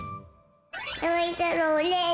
ゆいたろうです。